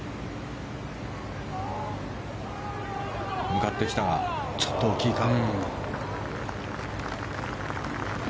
向かってきたがちょっと大きいか。